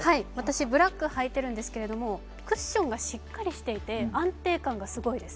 ブラックを履いているんですけれども、クッションがしっかりしていて安定感がすごいです。